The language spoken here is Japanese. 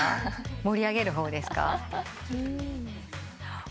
盛り上げる方ですか？